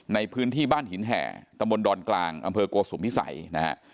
ในพื้นที่บ้านหินแห่ตำรวจสกพโกสุมภิษัยนะครับ